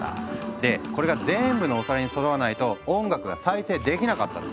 でこれが全部のお皿にそろわないと音楽が再生できなかったの。